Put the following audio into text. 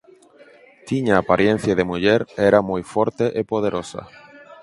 Tiña aparencia de muller e era moi forte e poderosa.